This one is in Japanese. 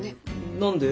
何で？